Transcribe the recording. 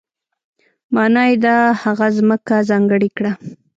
معنا یې ده هغه ځمکه ځانګړې کړه.